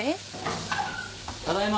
ただいま。